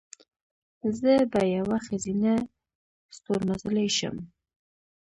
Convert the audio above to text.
زه به یوه ښځینه ستورمزلې شم."